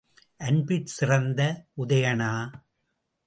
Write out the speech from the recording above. அன்பிற் சிறந்த உதயணா!